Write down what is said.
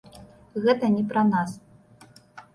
Гэта не пра нас.